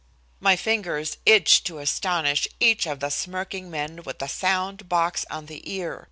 My fingers itched to astonish each of the smirking men with a sound box on the ear.